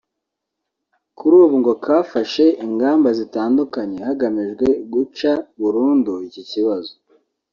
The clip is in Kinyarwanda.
kuri ubu ngo kafashe ingamba zitandukanye hagamijwe guca burundu iki kibazo